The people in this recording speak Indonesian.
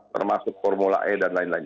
termasuk formula e dan lain lain